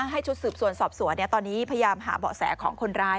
ชุดสืบสวนสอบสวนตอนนี้พยายามหาเบาะแสของคนร้าย